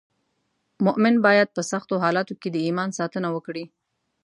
مومن باید په سختو حالاتو کې د ایمان ساتنه وکړي.